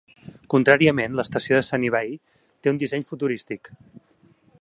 Contràriament, l'estació de Sunny Bay té un disseny futurístic.